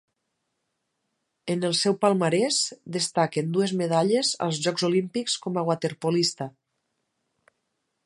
En el seu palmarès destaquen dues medalles als Jocs Olímpics com a waterpolista.